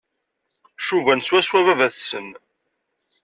Cuban swaswa baba-tsen.